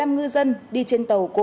một mươi năm ngư dân đi trên tàu